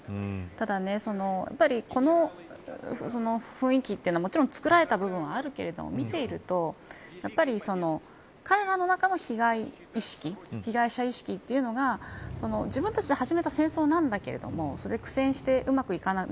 ただ、この雰囲気というのはもちろん、作られた部分はあるけれども見ていると彼らの中の被害意識被害者意識というのが自分たちで始めた戦争なんだけれども苦戦して、うまくいかない。